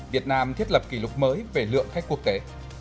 việt nam thiết lập kỷ lục mới về lượng khách quốc tế